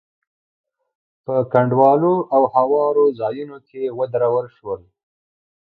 په کنډوالو او هوارو ځايونو کې ودرول شول.